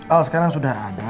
al sekarang sudah ada